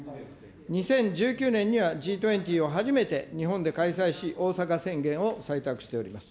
２０１９年には、Ｇ２０を初めて日本で開催し、大阪宣言を採択しております。